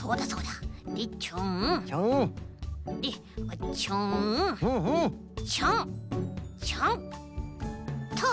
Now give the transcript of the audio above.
でちょんちょんちょんと。